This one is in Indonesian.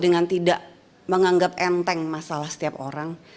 dengan tidak menganggap enteng masalah setiap orang